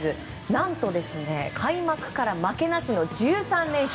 何と開幕から負けなしの１３連勝。